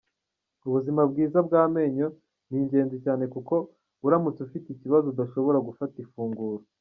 Ubuzima bwiza bw’amenyo ni ingenzi cyane kuko uramutse ufite ikibazo udashobora gufata ifunguro.